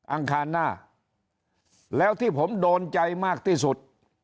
อังคารหน้าแล้วที่ผมโดนใจมากที่สุด